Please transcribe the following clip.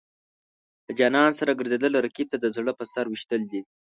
د جانان سره ګرځېدل، رقیب ته د زړه په سر ویشتل دي.